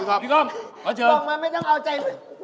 พิมงบลงมาไม่ต้องเอาใจ